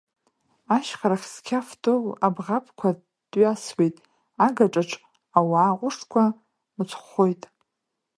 Ашьхарахь зқьаф ҭоу абӷабқәа тәҩасуеит, агаҿаҿ, ауаа ҟәышқәа мыцхәхоит…